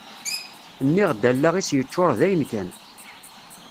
Nniɣ-d allaɣ-is yeččur dayen-kan.